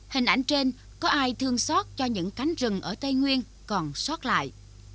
hình ảnh trên có ai thương xót cho những cánh rừng ở tây nguyên còn xót lại